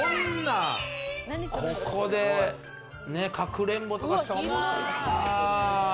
ここでかくれんぼとかしたらおもろいな。